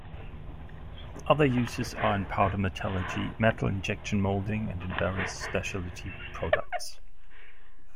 Other uses are in powder metallurgy, metal injection molding, and in various specialty products.